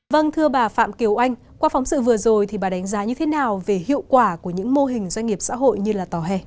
vâng thưa bà phạm kiều anh qua phóng sự vừa rồi thì bà đánh giá như thế nào về hiệu quả của những mô hình doanh nghiệp xã hội như là tòa hè